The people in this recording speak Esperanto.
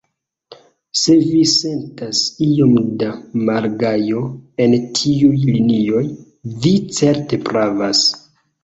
Se vi sentas iom da malgajo en tiuj linioj, vi certe pravas.